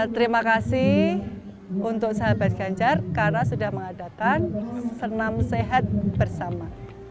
terima kasih untuk sahabat ganjar karena sudah mengadakan senam sehat bersama